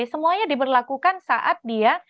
semuanya diberlakukan saat dia